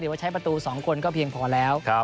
ว่าใช้ประตู๒คนก็เพียงพอแล้ว